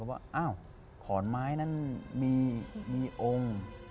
เขาก็ว่าขอนไม้นั่นมีองค์